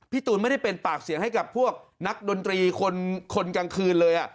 ตูนไม่ได้เป็นปากเสียงให้กับพวกนักดนตรีคนกลางคืนเลย